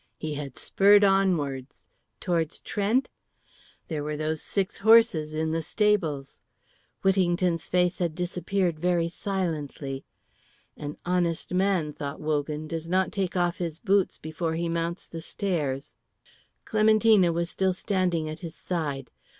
He had spurred onwards towards Trent? There were those six horses in the stables. Whittington's face had disappeared very silently. "An honest man," thought Wogan, "does not take off his boots before he mounts the stairs." Clementina was still standing at his side.